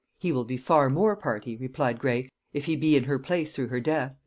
"He will be far more party," replied Gray, "if he be in her place through her death."